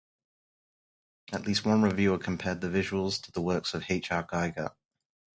At least one reviewer compared the visuals to the works of H. R. Giger.